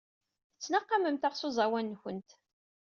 Tettnaqamemt-aɣ s uẓawan-nwent.